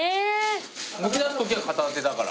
抜きだすときは片手だから。